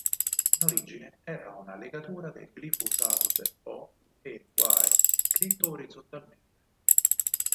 In origine era una legatura del glifo usato per "О" e "У" scritto orizzontalmente.